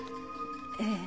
ええ。